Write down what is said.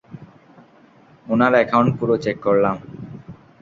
উনার অ্যাকাউন্ট পুরো চেক করলাম।